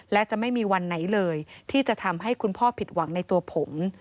และจะไม่มีวันไหนเลยที่จะทำให้คุณพ่อผิดหวังในตัวผม